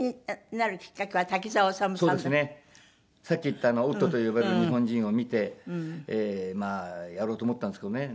さっき言った『オットーと呼ばれる日本人』を見てまあやろうと思ったんですけどね。